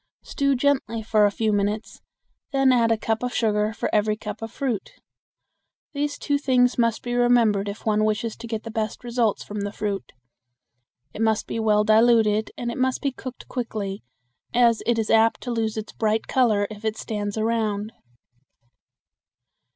Stew gently for a few minutes, then add a cup of sugar for every cup of fruit. These two things must be remembered if one wishes to get the best results from the fruit. It must be well diluted and it must be cooked quickly, as it is apt to lose its bright color if it stands around.